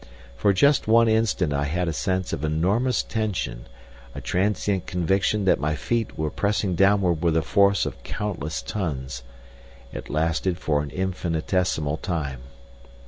For just one instant I had a sense of enormous tension, a transient conviction that my feet were pressing downward with a force of countless tons. It lasted for an infinitesimal time.